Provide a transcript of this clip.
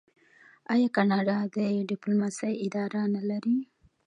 آیا کاناډا د ډیپلوماسۍ اداره نلري؟